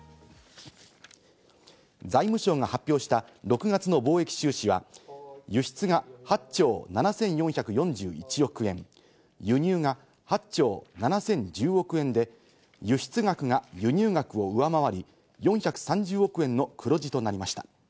財務省が発表した６月の貿易収支は、輸出が８兆７４４１億円、輸入が８兆７０１０億円で、輸出額が輸入額を上回り、４３０億円の黒字となりました。